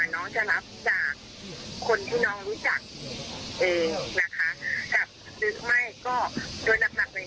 น้องจะรับจากคนที่น้องรู้จักเองนะคะกับหรือไม่ก็โดยหนักเลย